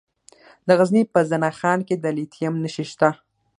د غزني په زنه خان کې د لیتیم نښې شته.